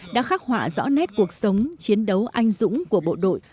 đã khắc họa rõ nét cuộc sống chiến đấu anh dũng của bộ đội